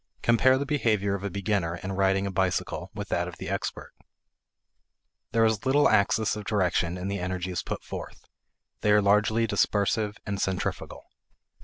Compare the behavior of a beginner in riding a bicycle with that of the expert. There is little axis of direction in the energies put forth; they are largely dispersive and centrifugal.